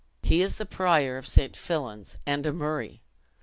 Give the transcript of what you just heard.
He is the prior of St. Fillan's and a Murray.